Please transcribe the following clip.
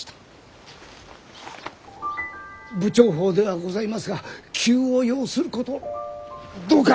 不調法ではございますが急を要することどうか！